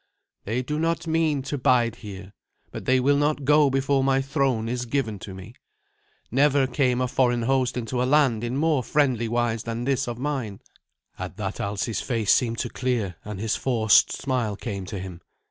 "They do not mean to bide here, but they will not go before my throne is given to me. Never came a foreign host into a land in more friendly wise than this of mine." At that Alsi's face seemed to clear, and his forced smile came to him.